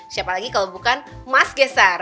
siapa lagi kalau bukan mas geser